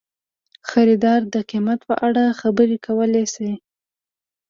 خریدار د قیمت په اړه خبرې کولی شي.